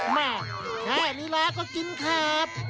มาแค่นี้แล้วก็กินขาบ